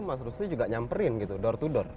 mas rusli juga nyamperin gitu door to door